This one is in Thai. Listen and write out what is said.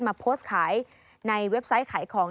มาโพสต์ขายในเว็บไซต์ขายของ